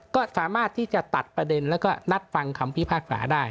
ก็สามารถที่จะตัดประเด็นแล้วก็นัดฟังคำพิพากษาได้